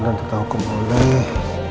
nanti tau hukum boleh